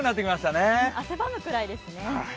汗ばむくらいですね。